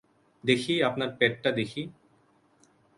দেখি, আপনার পেটটা দেখি।